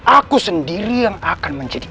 aku sendiri yang akan menjadi